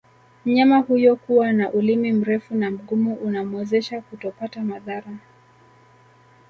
Mnyama huyo kuwa ana Ulimi mrefu na Mgumu unamwezesha kutopata madhara